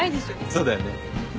そうだよね。